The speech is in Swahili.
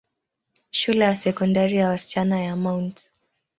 Shule ya Sekondari ya wasichana ya Mt.